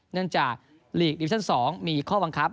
เนื่องจากลีกดิวิชั่น๒มีข้อบังคับ